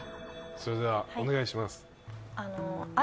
それではお願いします。